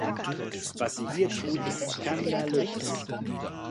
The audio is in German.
Was Sie hier tun ist skandalös.